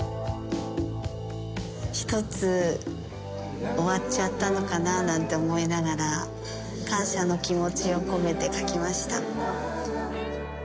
一つ終わっちゃったのかななんて思いながら感謝の気持ちを込めて書きました。